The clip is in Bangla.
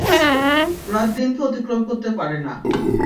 রাত দিনকে অতিক্রম করতে পারে না।